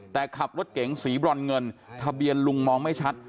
แต่ขับรถเก๋งสีบรอนเงินทะเบียนลุงมองไม่ชัด